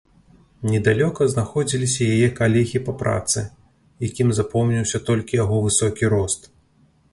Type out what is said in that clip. Недалёка знаходзіліся яе калегі па працы, якім запомніўся толькі яго высокі рост.